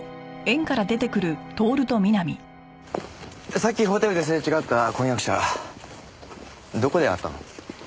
さっきホテルですれ違った婚約者どこで会ったの？